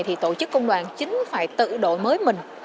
thì tổ chức công đoàn chính phải tự đội mới mình